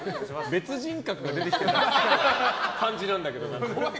別人格が出てきてる感じなんだけど。